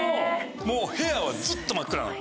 もう部屋はずっと真っ暗なの？